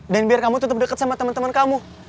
dan biar kamu tetap dekat sama temen temen kamu